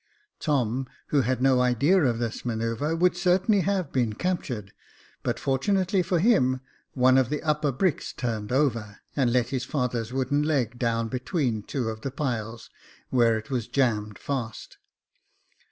Tom, who had no idea of this manoeuvre, would certainly have been captured, but, fortunately for him, one of the upper bricks turned over, and let his father's wooden leg down between two of the piles, where it was jammed fast.